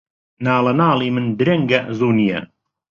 ناڵەناڵی من درەنگە، زوو نییە